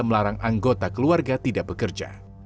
melarang anggota keluarga tidak bekerja